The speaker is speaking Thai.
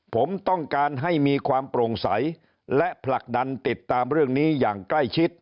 ผมต้องการให้มีความโปร่งใสและผลักดันติดตามเรื่องนี้อย่างใกล้ชิด